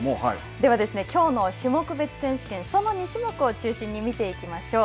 ではですね、きょうの種目別選手権その２種目を中心に見ていきましょう。